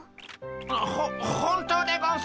ほ本当でゴンス。